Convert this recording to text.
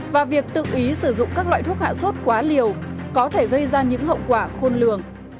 và việc tự ý sử dụng các loại thuốc hạ sốt quá liều có thể gây ra những hậu quả khôn lường